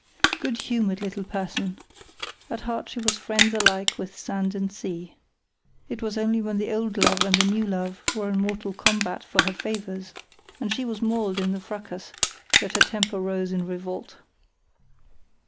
Good humoured little person! At heart she was friends alike with sand and sea. It was only when the old love and the new love were in mortal combat for her favours, and she was mauled in the fracas, that her temper rose in revolt.